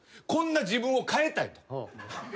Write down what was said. こんな自分を変えたいと。